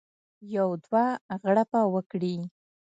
یو دوه غړپه وکړي.